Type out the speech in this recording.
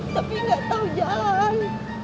tapi nggak tahu jalan